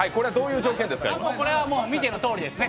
これは見てのとおりですね。